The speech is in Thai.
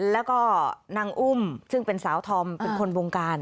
แล้วก็นางอุ้มซึ่งเป็นสาวธอมเป็นคนวงการ